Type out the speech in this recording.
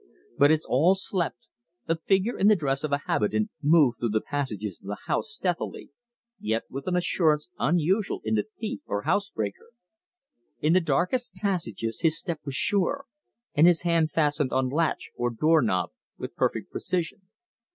But as all slept, a figure in the dress of a habitant moved through the passages of the house stealthily, yet with an assurance unusual in the thief or housebreaker. In the darkest passages his step was sure, and his hand fastened on latch or door knob with perfect precision.